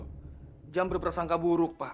jangan berpersangka buruk pak